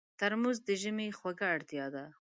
ترموز د ژمي خوږه اړتیا ده.